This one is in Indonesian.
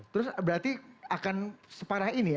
terus berarti akan separah ini ya